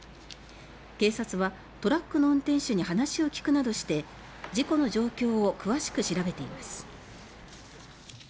警察はトラックの運転手に話を聞くなどして事故の状況を詳しく調べています。